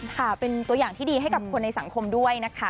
ค่ะเป็นตัวอย่างที่ดีให้กับคนในสังคมด้วยนะคะ